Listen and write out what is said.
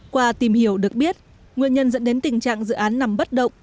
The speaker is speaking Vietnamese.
qua tìm hiểu được biết nguyên nhân dẫn đến tình trạng dự án nằm bất động